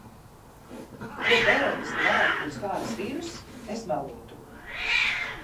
Ko teorētiski varētu būt skāris vīruss, es melotu.